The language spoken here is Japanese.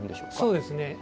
そうですね。